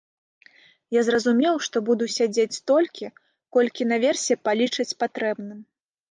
Я зразумеў, што буду сядзець столькі, колькі наверсе палічаць патрэбным.